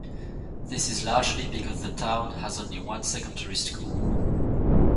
This is largely because the town has only one secondary school.